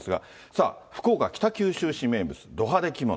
さあ、福岡・北九州市名物、ド派手着物。